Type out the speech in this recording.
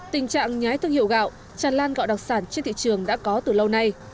tình trạng nhái thương hiệu gạo tràn lan gạo đặc sản trên thị trường đã có từ lâu nay